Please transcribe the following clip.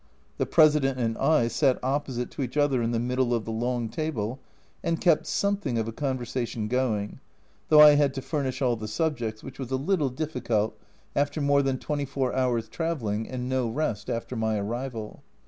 The President and I sat opposite to each other in the middle of the long table, and kept something of a conversation going, though I had to furnish all the subjects, which was a little difficult 40 A Journal from Japan after more than twenty four hours' travelling and no rest after my arrival.